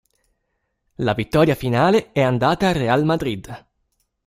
La vittoria finale è andata al Real Madrid.